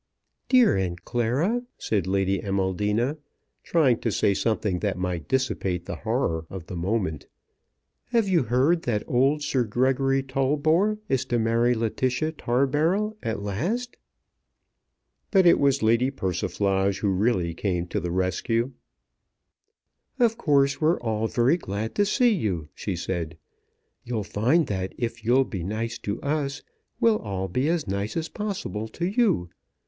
"Dear Aunt Clara," said Lady Amaldina, trying to say something that might dissipate the horror of the moment, "have you heard that old Sir Gregory Tollbar is to marry Letitia Tarbarrel at last?" But it was Lady Persiflage who really came to the rescue. "Of course we're all very glad to see you," she said. "You'll find that if you'll be nice to us, we'll all be as nice as possible to you.